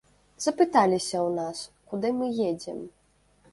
Запыталіся ў нас, куды мы едзем.